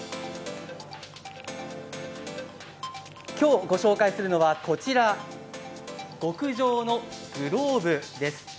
きょうご紹介するのはこちら、極上のグローブです。